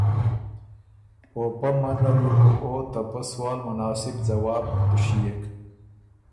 او پۀ منځ نر يې بو او ته پۀ سوال مناسب ځواب دُشيېک۔